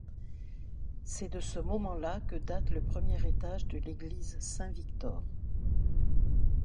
C'est de ce moment-là que date le premier étage de l'église Saint-Victor.